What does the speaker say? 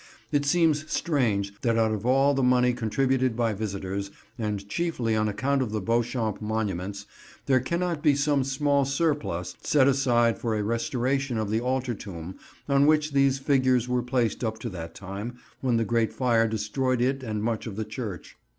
It seems strange that out of all the money contributed by visitors, and chiefly on account of the Beauchamp monuments, there cannot be some small surplus set aside for a restoration of the altar tomb on which these figures were placed up to that time when the great fire destroyed it and much of the church.